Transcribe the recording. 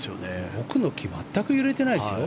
奥の木全く揺れてないですよ。